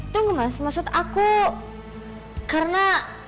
tunggu mas maksud aku karena